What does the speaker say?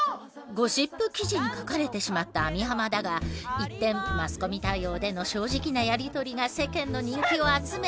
ゴシップ記事に書かれてしまった網浜だが一転マスコミ対応での正直なやり取りが世間の人気を集め。